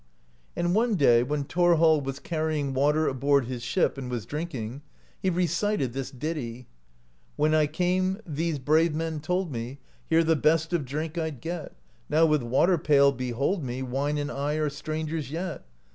And one day when Thorhall was carrying water aboard his ship, and was drinking, he recited this ditty : When I came, these brave men told me, Here the best of drink I'd get, Now with water pail behold me, — Wine and I are strangers yet.